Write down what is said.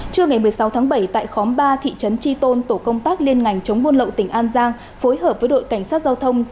trưa ngày một mươi sáu tháng bảy tại khóm ba thị trấn tri tôn tổ công tác liên ngành chống buôn lậu tỉnh an giang phối hợp với đội cảnh sát giao thông